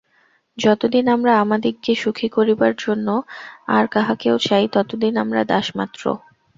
যতদিন আমরা আমাদিগকে সুখী করিবার জন্য আর কাহাকেও চাই, ততদিন আমরা দাসমাত্র।